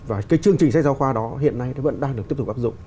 và cái chương trình sách giáo khoa đó hiện nay vẫn đang được tiếp tục áp dụng